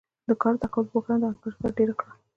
د کار زده کولو پۀ بهانه د آهنګرانو سره دېره کړل